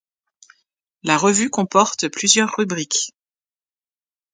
La revue comporte plusieurs rubriques.